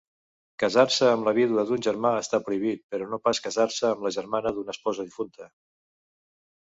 Casar-se amb la vídua d'un germà està prohibit, però no pas casar-se amb la germana d'una esposa difunta.